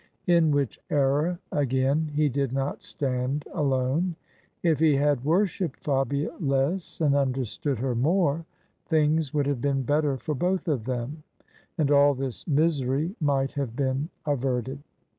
In which error again he did not stand alone. If he had worshipped Fabia less and understood her more, things would have been better for both of them, and all this misery might have been averted.